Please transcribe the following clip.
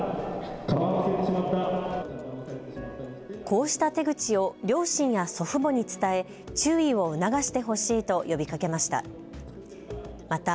こうした手口を両親や祖父母に伝え、注意を促してほしいと呼びかけました。